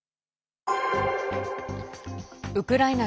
ウクライナ